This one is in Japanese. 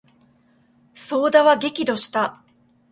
左右田は激怒した。